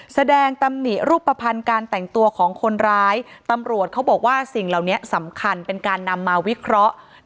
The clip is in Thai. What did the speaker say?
ตำหนิรูปภัณฑ์การแต่งตัวของคนร้ายตำรวจเขาบอกว่าสิ่งเหล่านี้สำคัญเป็นการนำมาวิเคราะห์